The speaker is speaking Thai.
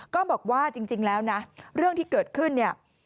ก็บอกว่าจริงแล้วนะเรื่องที่เกิดขึ้นเนี่ย